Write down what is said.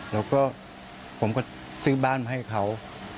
แล้วก็ผมก็ซื้อบ้านมาให้เขา